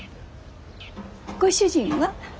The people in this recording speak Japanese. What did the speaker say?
ご主人は？